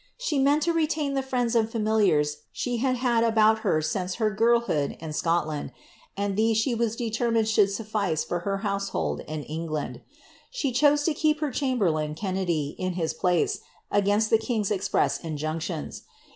She meant to retain the frienda and familiars she had had about hernnet her girlhood in Scotland, and ibese ^he waa delerinlDed should fluHJM for her hnusehoM in England. She chose to keep her chamberlain K«^ nedy in his place, agninst the king^s express injunclions.